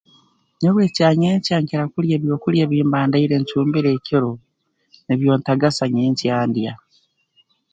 Nyowe ekyanyenkya nkira kulya ebyokulya ebi mba ndaire ncumbire ekiro nibyo ntagasa nyenkya ndya